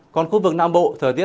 còn khu vực nam bộ